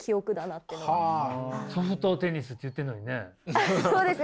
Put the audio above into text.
ソフトテニスって言ってんのにね。